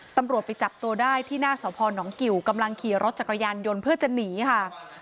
ตำรวจไปจับตัวได้ที่หน้าสพนกิวกำลังขี่รถจักรยานยนต์เพื่อจะหนีค่ะ